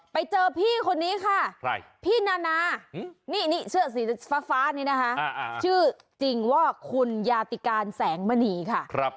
ไปเจอพี่คนนี้ค่ะพี่นาชื่อสีฟ้าชื่อจริงว่าคุณหญาติการแสงมณีค่ะ